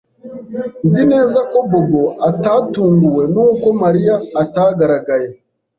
Nzi neza ko Bobo atatunguwe nuko Mariya atagaragaye.